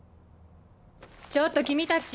ちょっと君たち。